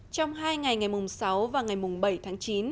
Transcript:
trong hai ngày ngày sáu và ngày mùng bảy tháng chín